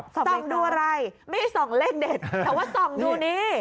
ส่องดูอะไรไม่ได้ส่องเลขเด็ดแต่ว่าส่องดูนี่